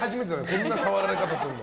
こんな触られ方するの。